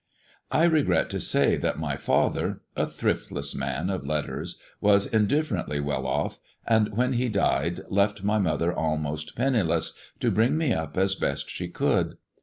I regret to say that my father — a thriftless man of letters — was indifferently well off, and when he died left my mother almost penniless, to bring me up as best she could.